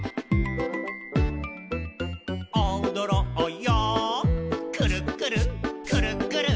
「おどろうよくるっくるくるっくる」